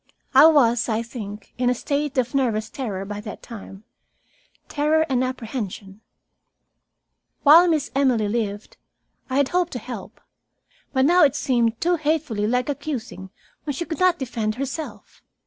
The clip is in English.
I was, I think, in a state of nervous terror by that time, terror and apprehension. While Miss Emily lived, I had hoped to help. But now it seemed too hatefully like accusing when she could not defend herself.